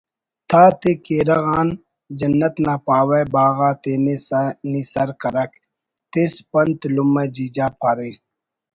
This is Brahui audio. تاتے کیرغ آن جنت نا پاوہ باغا تینے نی سرکرک تس پنت لمہ جیجا پارے